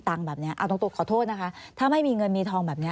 อาจารย์โทษนะคะถ้าไม่มีเงินมีทองแบบเนี่ย